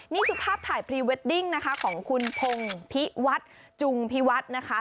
นี่คือภาพถ่ายพรีเวดดิ้งนะคะของคุณพงพิวัฒน์จุงพิวัฒน์นะคะ